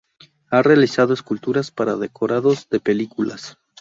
Ha realizado esculturas para decorados de películas.